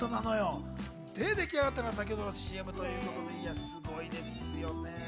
で、出来上がったのが先ほどのＣＭということで、すごいですね。